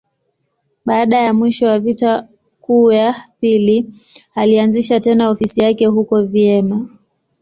Baada ya mwisho wa Vita Kuu ya Pili, alianzisha tena ofisi yake huko Vienna.